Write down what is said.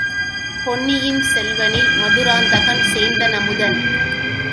பொன்னியின் செல்வனில் மதுராந்தகன் சேந்தனமுதன்!